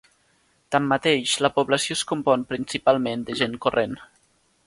Tanmateix, la població es compon principalment de gent corrent.